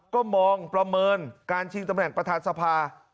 ก็มองประเมินการชิงตำแหน่งประธานสภา